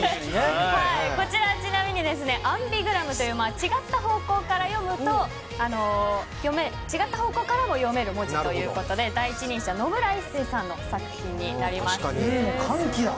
こちら、ちなみにですねアンビグラムという違った方向からも読める文字ということで第一人者の野村一晟さんの作品になります。